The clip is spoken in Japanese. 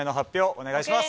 お願いします。